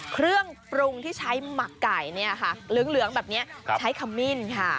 เครื่องปรุงที่ใช้หมักไก่เนี่ยค่ะเหลืองแบบนี้ใช้ขมิ้นค่ะ